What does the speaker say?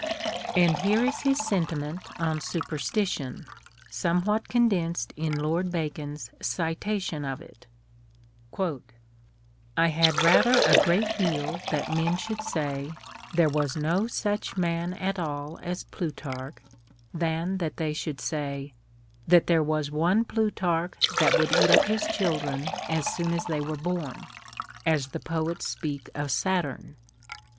And here is his sentiment on superstition, somewhat condensed in Lord Bacon's citation of it : "1 had rather a great deal that men should say, There was no such man at all as Plutarch, than that they should say, that there was one Plutarch that would eat up his children as soon as they were born, as the poets speak of Saturn."